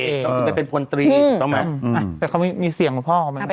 ต้องกลายเป็นพนตรีต้องไหมอืมอ่าแต่เขามีมีเสี่ยงของพ่อของมัน